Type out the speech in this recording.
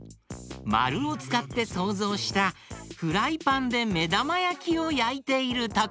まるをつかってそうぞうしたフライパンでめだまやきをやいているところ。